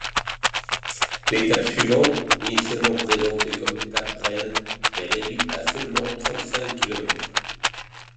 L'étape suivante, initialement présentée comme l'étape reine, est réduite à seulement trente-cinq kilomètres.